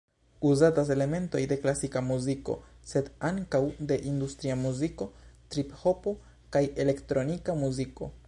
Uzatas elementoj de klasika muziko, sed ankaŭ de industria muziko, trip-hopo kaj elektronika muziko.